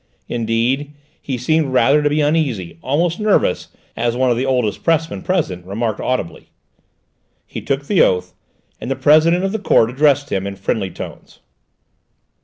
Indeed, he seemed rather to be uneasy, almost nervous, as one of the oldest pressmen present remarked audibly. He took the oath, and the President of the Court addressed him in friendly tones.